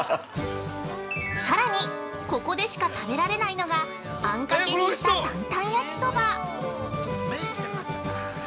◆さらにここでしか食べられないのがあんかけにしたタンタン焼きそば。